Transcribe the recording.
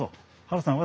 ハルさん